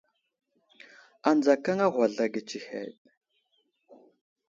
Adzakaŋ a ghwazl age tsəhəd.